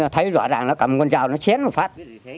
thấy rõ ràng nó cầm con trao nó chết rồi phát